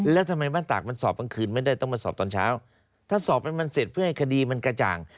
แล้วทำไมบ้านตากมันสอบกลางคืนไม่ได้ต้องมาสอบตอนเช้าถ้าสอบให้มันเสร็จเพื่อให้คดีมันกระจ่าง